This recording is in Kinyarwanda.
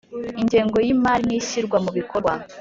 ingengo y imari n ishyirwa mu bikorwa